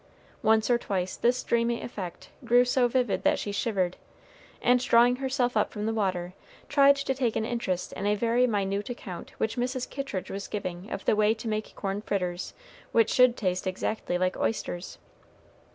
Once or twice this dreamy effect grew so vivid that she shivered, and drawing herself up from the water, tried to take an interest in a very minute account which Mrs. Kittridge was giving of the way to make corn fritters which should taste exactly like oysters.